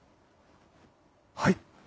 はい！